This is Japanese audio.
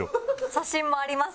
写真もあります。